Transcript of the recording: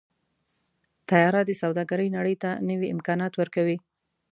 طیاره د سوداګرۍ نړۍ ته نوي امکانات ورکوي.